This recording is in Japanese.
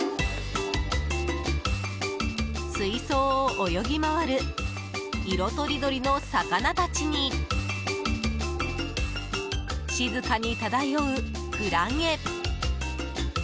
水槽を泳ぎ回る色とりどりの魚たちに静かに漂うクラゲ。